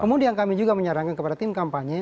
kemudian kami juga menyarankan kepada tim kampanye